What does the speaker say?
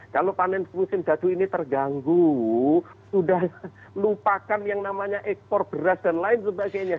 kalau panen musim gadu ini terganggu sudah lupakan yang namanya ekspor beras dan lain sebagainya